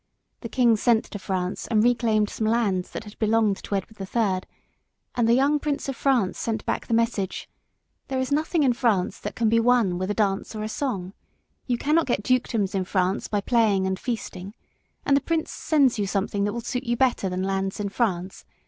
The king sent to France and claimed some lands that had belonged to Edward the Third; and the young prince of France sent back the message "There is nothing in France that can be won with a dance or a song. You cannot get dukedoms in France by playing and feasting, and the prince sends you something that will suit you better than lands in France.